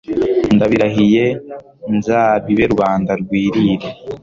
ndabirahiye: nzabibe rubanda rwirire